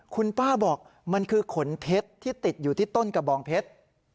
คุณป้าบอกมันคือขนเพชรที่ติดอยู่ที่ต้นกระบองเพชร